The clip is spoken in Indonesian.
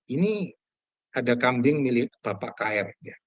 ini ada kambing milik bapak kr